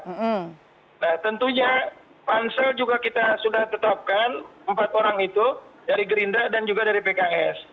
nah tentunya pansel juga kita sudah tetapkan empat orang itu dari gerindra dan juga dari pks